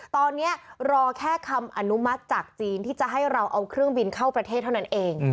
ตอนนี้รอแค่คำอนุมัติจากจีนที่จะให้เราเอาเครื่องบินเข้าประเทศเท่านั้นเอง